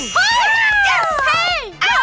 เฮ้ยยังไง